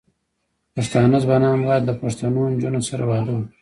پښتانه ځوانان بايد له پښتنو نجونو سره واده وکړي.